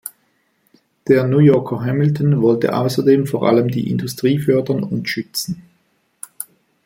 Der New Yorker Hamilton wollte außerdem vor allem die Industrie fördern und schützen.